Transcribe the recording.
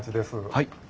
はい。